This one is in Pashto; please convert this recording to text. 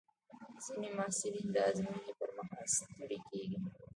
ځینې محصلین د ازموینو پر مهال ستړي کېږي.